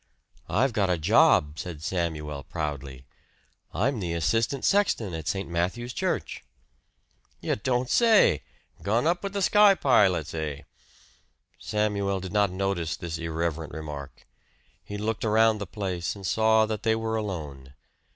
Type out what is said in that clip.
"I've got a job," said Samuel proudly. "I'm the assistant sexton at St. Matthew's Church." "You don't say! Gone up with the sky pilots, hey!" Samuel did not notice this irreverent remark. He looked around the place and saw that they were alone.